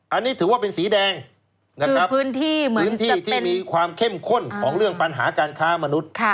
อันนี้ถือว่าเป็นสีแดงนะครับพื้นที่ที่มีความเข้มข้นของเรื่องปัญหาการค้ามนุษย์